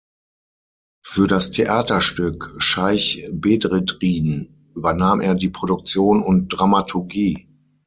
Für das Theaterstück „Scheich Bedreddin“ übernahm er die Produktion und Dramaturgie.